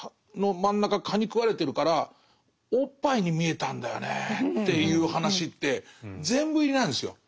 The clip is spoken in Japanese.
蚊にくわれてるからおっぱいに見えたんだよねっていう話って全部入りなんですよ。